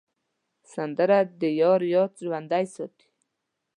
سندره د یار یاد ژوندی ساتي